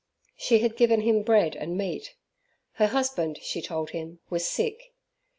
She had given him bread and meat. Her husband, she told him, was sick.